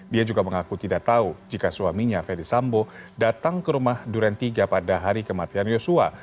dia juga mengaku tidak tahu jika suaminya ferdis sambo datang ke rumah duren tiga pada hari kematian yosua